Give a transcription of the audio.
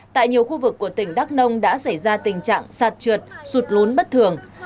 tại nhiều khu vực của tỉnh đắk nông đã xảy ra tình trạng sạt trượt sụt lún bất thường